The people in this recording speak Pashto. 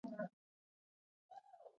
آیا دښمنان پیژندل شوي؟